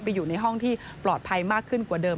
อยู่ในห้องที่ปลอดภัยมากขึ้นกว่าเดิม